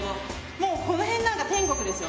もうこのへんなんか、天国ですよ。